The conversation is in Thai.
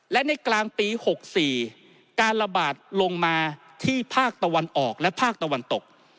และในกลางปี๖๔การระบาดลงมาที่ภาคตะวันออกและภาคตะวันตก